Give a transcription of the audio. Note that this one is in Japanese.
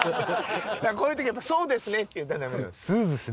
こういう時はやっぱり「そうですね」って言ったらダメなんです。